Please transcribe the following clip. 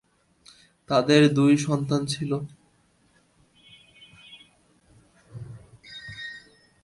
তাদের দুই সন্তান ছিল।